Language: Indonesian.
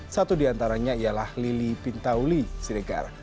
satu di antaranya ialah lili pintauli siregar